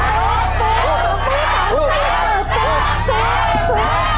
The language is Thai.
ตัว